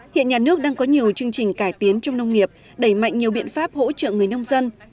hiện nhà nước đang có nhiều chương trình cải tiến trong nông nghiệp đẩy mạnh nhiều biện pháp hỗ trợ người nông dân